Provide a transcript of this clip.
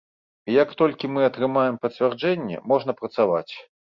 І як толькі мы атрымаем пацвярджэнне, можна працаваць.